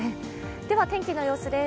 天気の様子です。